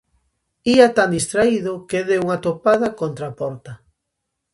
Ía tan distraído que deu unha topada contra a porta.